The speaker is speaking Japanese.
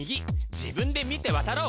自分で見て渡ろう！